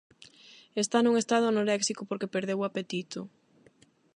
Está nun estado anoréxico porque perdeu o apetito.